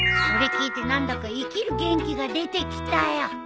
それ聞いて何だか生きる元気が出てきたよ。